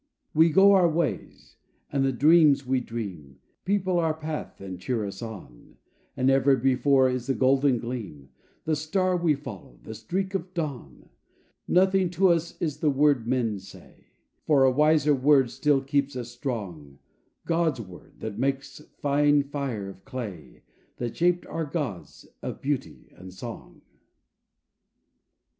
_ _We go our ways: and the dreams we dream, People our path and cheer us on; And ever before is the golden gleam, The star we follow, the streak of dawn: Nothing to us is the word men say; For a wiser word still keeps us strong, God's word, that makes fine fire of clay, That shaped our gods of Beauty and Song.